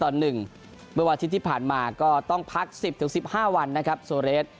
เมื่อวันอาทิตย์ที่ผ่านมาก็ต้องพัก๑๐๑๕วันนะครับโซเรส